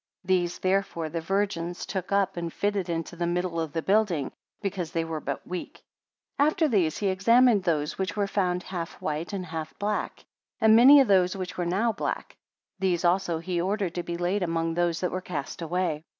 These therefore those virgins took up, and fitted into the middle of the building, because they were but weak. 70 After these he examined those which were found half white and half black, and many of those which were now black; these also he ordered to be laid among those that were cast away.